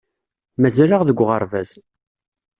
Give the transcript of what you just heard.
Mazal-aɣ deg uɣerbaz.